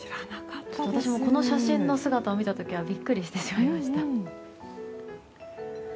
私もこの写真の姿を見た時はビックリしてしまいました。